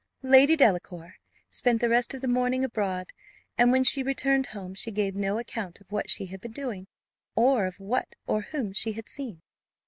Lady Delacour spent the rest of the morning abroad; and when she returned home, she gave no account of what she had been doing, or of what or whom she had seen.